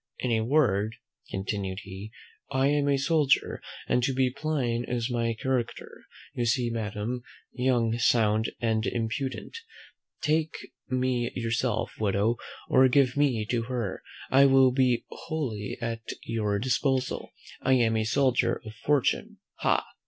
In a word," continued he, "I am a soldier, and to be plain is my character: you see me, Madam, young, sound, and impudent; take me yourself, widow, or give me to her, I will be wholly at your disposal. I am a soldier of fortune, ha!"